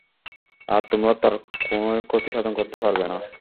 আর তোমরা তার কোনই ক্ষতিসাধন করতে পারবে না।